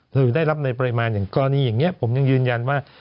คือได้รับในปริมาณอย่างกรณีอย่างนี้ผมยังยืนยันว่า